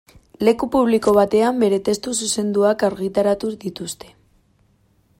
Leku publiko batean bere testu zuzenduak argitaratu dituzte.